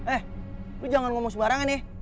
eh lu jangan ngomong sebarang ya